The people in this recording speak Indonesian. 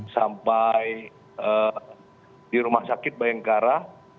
sampai di rumah sakit bayangkara